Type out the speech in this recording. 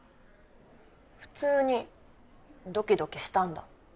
普通にドキドキしたんだ？